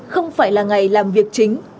không phải là ngày làm việc chính